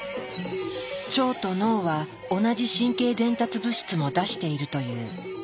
腸と脳は同じ神経伝達物質も出しているという。